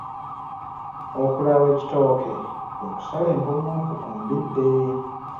Okulaawa ekitooke kwe kusala empumumpu ku mbidde.